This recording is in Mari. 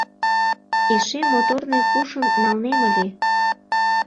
Эше моторный пушым налнем ыле.